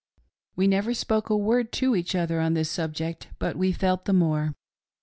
We never spoke a word to each other on this subject, but we felt the more.